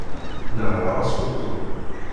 Nehreɣ askutur.